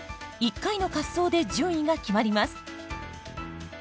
１回の滑走で順位が決まります。